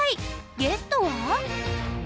ゲストは。